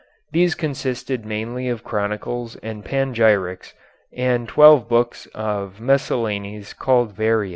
These consisted mainly of chronicles and panegyrics, and twelve books of miscellanies called Variæ.